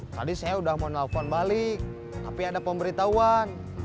tadi saya udah mau nelfon balik tapi ada pemberitahuan